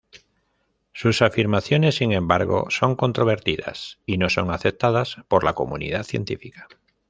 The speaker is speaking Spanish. Sus afirmaciones, sin embargo, son controvertidas y no son aceptadas por la comunidad científica.